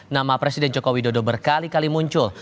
nama presiden joko widodo berkali kali muncul